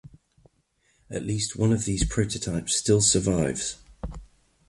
At least one of these prototypes still survives.